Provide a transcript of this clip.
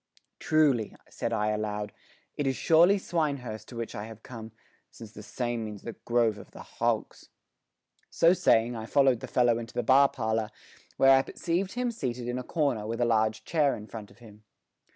"Truly," said I aloud, "it is surely Swinehurst to which I have come, since the same means the grove of the hogs." So saying I followed the fellow into the bar parlour, where I perceived him seated in a corner with a large chair in front of him.